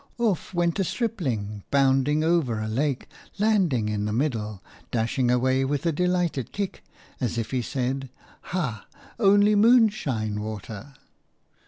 Off went a stripling, bounding over a lake, landing in the middle, dashing away with a delighted kick, as if he said – "Ha! Only moonshine water!"